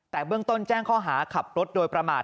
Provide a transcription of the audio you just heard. แต่เบื้องต้นแจ้งข้อหาขับรถโดยประมาท